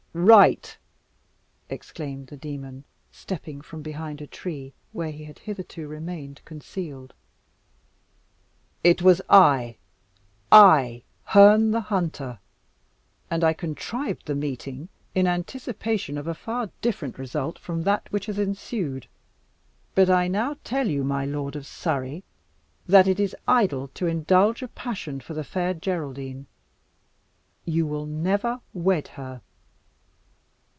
"Right!" exclaimed the demon, stepping from behind a tree, where he had hitherto remained concealed; "it was I I, Herne the Hunter. And I contrived the meeting in anticipation of a far different result from that which has ensued. But I now tell you, my lord of Surrey, that it is idle to indulge a passion for the Fair Geraldine. You will never wed her."